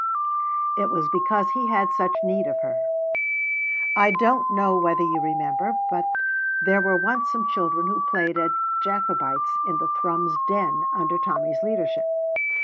It was because he had such need of her. I don't know whether you remember, but there were once some children who played at Jacobites in the Thrums Den under Tommy's leadership.